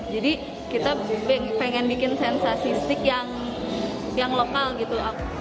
jadi kita pengen bikin sensasi steak yang lokal gitu